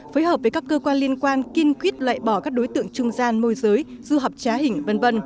phối hợp với các cơ quan liên quan kiên quyết loại bỏ các đối tượng trung gian môi giới du học trá hình v v